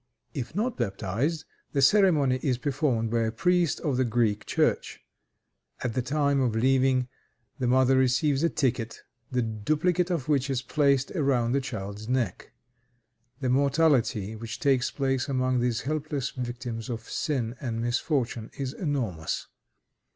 If not baptized, the ceremony is performed by a priest of the Greek Church. At the time of leaving, the mother receives a ticket, the duplicate of which is placed around the child's neck. The mortality which takes place among these helpless victims of sin and misfortune is enormous.